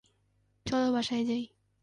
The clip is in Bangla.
চলো, বাসায় যাই।